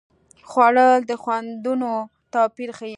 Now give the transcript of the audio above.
خوړل د خوندونو توپیر ښيي